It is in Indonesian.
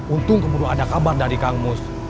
untung kemudian ada kabar dari kang mus